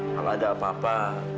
kalau ada apa apa